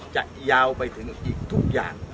จะยาวไปถึงอีกทุกอย่าง